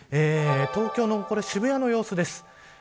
東京の渋谷の様子です。